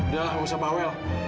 dahlah gak usah bawa